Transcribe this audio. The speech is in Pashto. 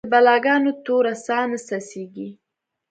د بلا ګانو توره ساه نڅیږې